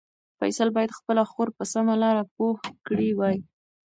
فیصل باید خپله خور په سمه لاره پوه کړې وای.